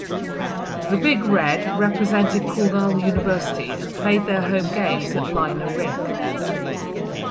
The Big Red represented Cornell University and played their home games at Lynah Rink.